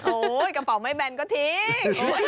กระเป๋าไม่แบนก็ทิ้ง